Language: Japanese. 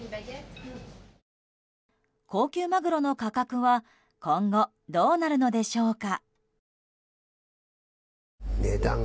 高級マグロの価格は今後どうなるのでしょうか。